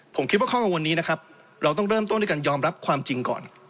ผมคิดว่าข้อมูลนี้นะครับเราต้องเริ่มต้นด้วยการยอมรับความจริงก่อน